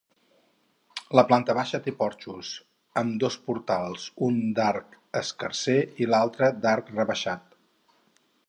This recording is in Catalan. La planta baixa té porxos, amb dos portals, un d'arc escarser i l'altre d'arc rebaixat.